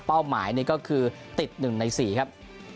เป้าหมายก็คือติดหนึ่งในสี่ครับ